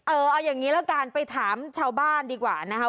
เอาอย่างนี้ละกันไปถามชาวบ้านดีกว่านะคะ